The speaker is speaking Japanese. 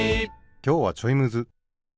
きょうはちょいむず。